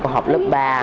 học lớp ba